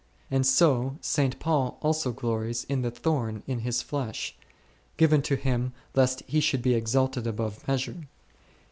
And so, St. Paul also glories in the thorn in his flesh, given to him lest he should be exalted above measure.